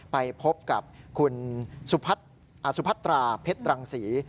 ไปพบกับคุณสุพัตราเพชรรังศรี